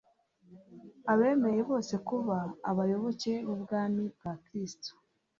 Abemeye bose kuba abayoboke b’ubwami bwa Kristo